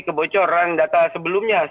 kebocoran data sebelumnya